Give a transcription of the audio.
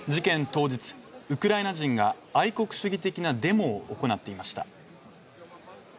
当日ウクライナ人が愛国主義的なデモを行っていました